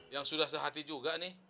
yang sudah sehati juga nih